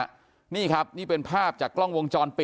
อยู่ดีมาตายแบบเปลือยคาห้องน้ำได้ยังไง